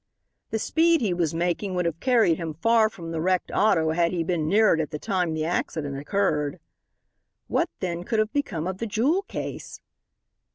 The speed he was making would have carried him far from the wrecked auto had he been near it at the time the accident occurred. What, then, could have become of the jewel case?